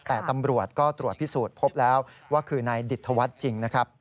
แต่ตำรวจก็ตรวจพิสูจน์พบแล้วว่าคือนายดิตธวัฒน์จริงนะครับ